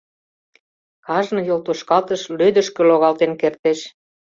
Кажне йолтошкалтыш лӧдышкӧ логалтен кертеш.